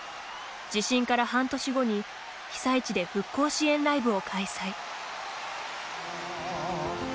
地震から半年後に被災地で復興支援ライブを開催。